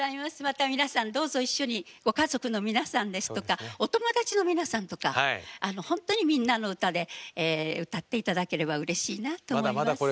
また皆さんどうぞ一緒にご家族の皆さんですとかお友達の皆さんとかほんとに「みんなのうた」で歌って頂ければうれしいなと思います。